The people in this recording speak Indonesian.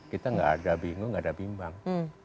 kita gak ada bingung gak ada bimbang